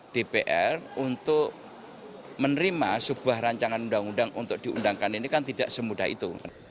dpr untuk menerima sebuah rancangan undang undang untuk diundangkan ini kan tidak semudah itu